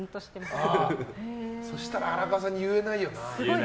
そしたら荒川さんに言えないよな。